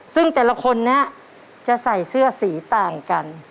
ซึ่งแต่ละคนนี้จะใส่เสื้อสีต่างกัน